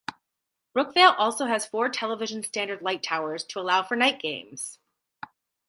Brookvale also has four television standard light towers to allow for night games.